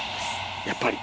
やっぱり！